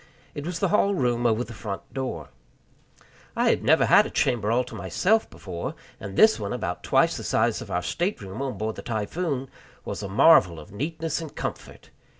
It was the hall room over the front door. I had never had a chamber all to myself before, and this one, about twice the size of our state room on board the Typhoon, was a marvel of neatness and comfort.